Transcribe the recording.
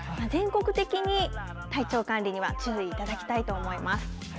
全国的に体調管理には注意いただきたいと思います。